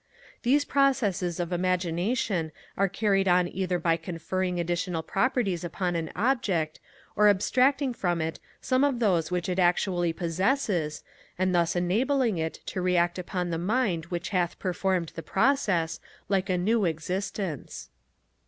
These processes of imagination are carried on either by conferring additional properties upon an object, or abstracting from it some of those which it actually possesses, and thus enabling it to react upon the mind which hath performed the process, like a new existence.